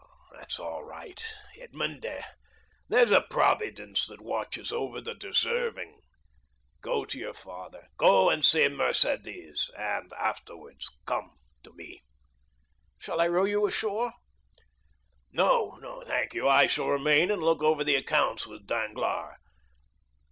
"That's all right, Edmond. There's a providence that watches over the deserving. Go to your father; go and see Mercédès, and afterwards come to me." "Shall I row you ashore?" "No, thank you; I shall remain and look over the accounts with Danglars.